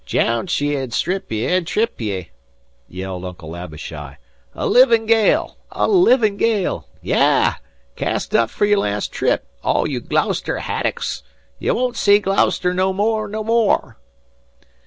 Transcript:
"Jounce ye, an' strip ye an' trip ye!" yelled Uncle Abishai. "A livin' gale a livin' gale. Yab! Cast up fer your last trip, all you Gloucester haddocks. You won't see Gloucester no more, no more!"